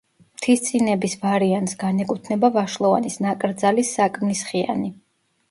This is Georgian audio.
მთისწინების ვარიანტს განეკუთვნება ვაშლოვანის ნაკრძალის საკმლისხიანი.